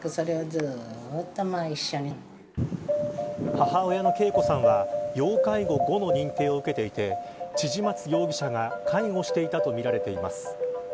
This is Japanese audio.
母親の桂子さんは要介護５の認定を受けていて千々松容疑者が介護していたとみられています。